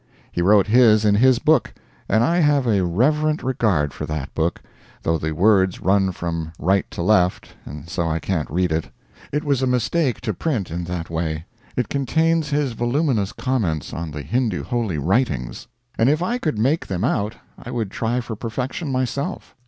He wrote his in his book, and I have a reverent regard for that book, though the words run from right to left, and so I can't read it. It was a mistake to print in that way. It contains his voluminous comments on the Hindoo holy writings, and if I could make them out I would try for perfection myself.